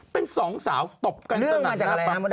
เป็นสองสาวตบกันสนับหนับ